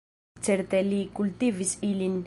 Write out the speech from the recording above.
Certe li kultivis ilin.